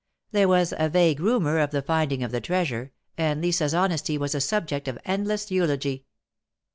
There was a vague rumor of the finding of the treasure, and Lisa's honesty was a subject of endless eulogy.